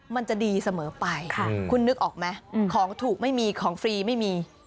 มันจะดีเสมอไปคุณนึกออกไหมของถูกไม่มีของฟรีไม่มี